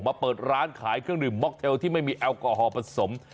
เปิดร้านขายเครื่องดื่มม็อกเทลที่ไม่มีแอลกอฮอลผสม